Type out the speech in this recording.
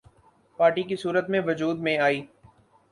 party کی صورت میں وجود میں آئی